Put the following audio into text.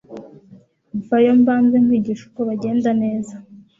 vayo mbanze nkwigishe uko bagenda neza